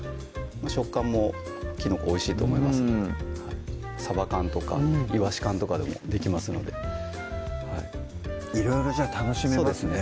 食感もきのこおいしいと思いますのでさば缶とかいわし缶とかでもできますのでいろいろじゃあ楽しめますね